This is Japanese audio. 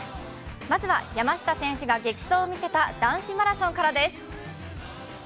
まずは山下選手が激走を見せた男子マラソンからです。